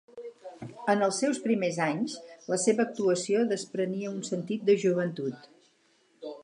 En els seus primers anys, la seva actuació desprenia un sentit de joventut.